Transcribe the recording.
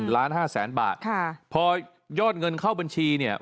ล้าน๕แสนบาทพอยอดเงินเข้าบัญชีเนี่ย